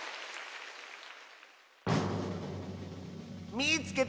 「みいつけた！